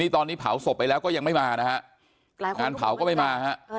ตอนนี้เผาศพไปแล้วก็ยังไม่มานะฮะงานเผาก็ไม่มาฮะ